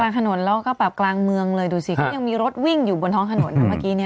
กลางถนนแล้วก็แบบกลางเมืองเลยดูสิก็ยังมีรถวิ่งอยู่บนท้องถนนนะเมื่อกี้เนี่ย